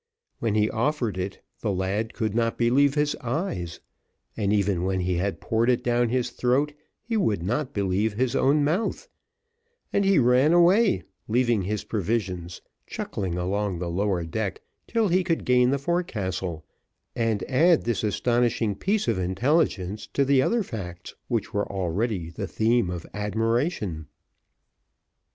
When he offered it, the lad could not believe his eyes, and even when he had poured it down his throat, he would not believe his own mouth; and he ran away, leaving his provisions, chuckling along the lower deck till he could gain the forecastle, and add this astonishing piece of intelligence to the other facts, which were already the theme of admiration.